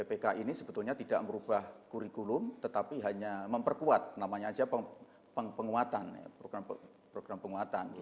bukan itu tapi yang dimaksud full day school itu adalah sekolah